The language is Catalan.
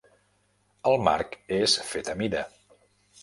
El marc és fet a mida.